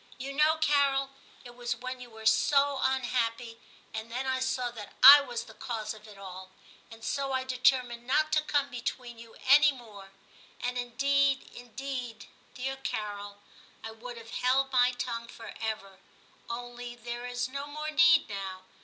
You know, Carol, it was when you were so unhappy ; and then I saw that I was the cause of it all ; and so I de termined not to come between you any more ; and, indeed, indeed, dear Carol, I would have held my tongue for ever, only there is no more need now.